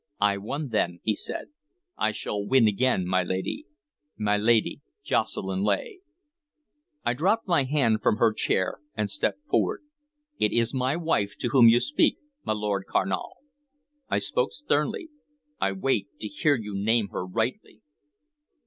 "I won then," he said. "I shall win again, my lady, my Lady Jocelyn Leigh." I dropped my hand from her chair and stepped forward. "It is my wife to whom you speak, my Lord Carnal," I said sternly. "I wait to hear you name her rightly."